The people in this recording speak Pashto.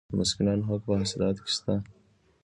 د مسکینانو حق په حاصلاتو کې شته.